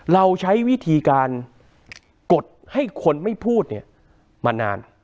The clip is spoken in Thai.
เราใช้วิธีการกดให้คนไม่พูดเนี่ยมานาน